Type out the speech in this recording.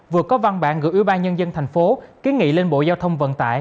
vừa có văn bản gửi ưu ba nhân dân thành phố ký nghị lên bộ giao thông vận tải